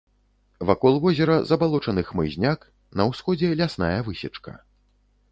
Вакол возера забалочаны хмызняк, на ўсходзе лясная высечка.